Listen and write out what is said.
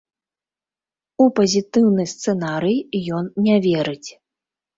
У пазітыўны сцэнарый ён не верыць.